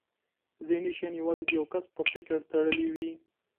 ذهني شیان یوازې د یو کس په فکر تړلي وي.